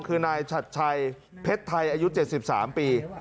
คือนายชัดชัยเพชรไทยอายุ๗๓ปี